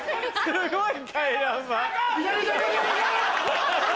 すごい。